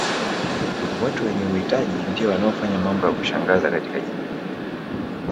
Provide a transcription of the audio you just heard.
Watu wenye uhitaji ndio wanaofanya mambo ya kushangaza katika jamii